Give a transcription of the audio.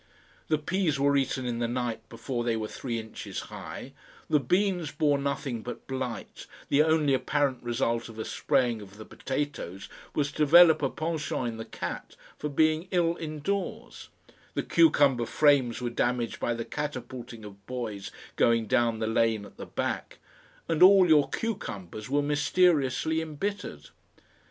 The peas were eaten in the night before they were three inches high, the beans bore nothing but blight, the only apparent result of a spraying of the potatoes was to develop a PENCHANT in the cat for being ill indoors, the cucumber frames were damaged by the catapulting of boys going down the lane at the back, and all your cucumbers were mysteriously embittered.